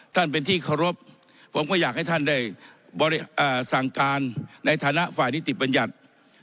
ท่านเป็นที่เคารพผมก็อยากให้ท่านได้สั่งการในฐานะฝ่ายนิติบัญญัติ